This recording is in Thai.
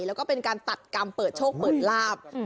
แล้วก็เป็นการตัดกรรมเปิดโชคเปิดลาบ